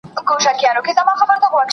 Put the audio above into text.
د یو بل سره په نېکۍ کي مرسته وکړئ.